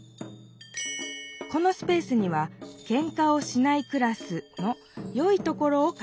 このスペースには「ケンカをしないクラス」のよいところを書きます。